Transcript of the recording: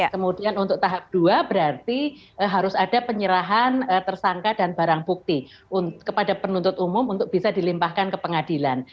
kemudian untuk tahap dua berarti harus ada penyerahan tersangka dan barang bukti kepada penuntut umum untuk bisa dilimpahkan ke pengadilan